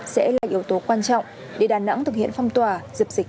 sẽ là yếu tố quan trọng để đà nẵng thực hiện phong tỏa dập dịch